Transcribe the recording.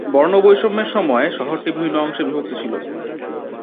বর্ণবৈষম্যের সময় শহরটি বিভিন্ন অংশে বিভক্ত ছিল।